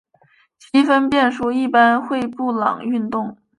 积分变数一般会布朗运动。